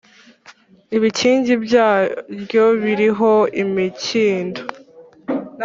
ibikingi byaryo biriho imikindo